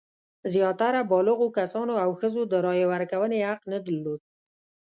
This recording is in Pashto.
زیاتره بالغو کسانو او ښځو د رایې ورکونې حق نه درلود.